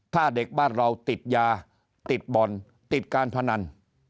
ถ้าเด็กบ้านเราติดยาติดบ่อนติดการพนัน